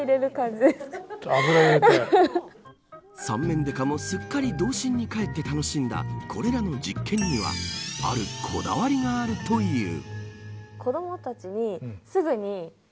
三面刑事もすっかり童心にかえって楽しんだこれらの実験にはあるこだわりがあるという。